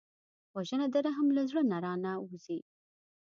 وژنه د رحم له زړه نه را نهوزي